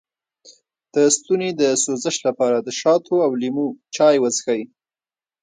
د ستوني د سوزش لپاره د شاتو او لیمو چای وڅښئ